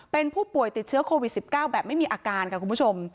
เป็นผู้ป่วยติดเชื้อโควิด๑๙แบบไม่มีอาการค่ะคุณผู้ชม